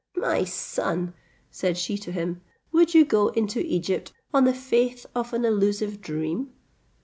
"My son," said she to him, "would you go into Egypt on the faith of an illusive dream?"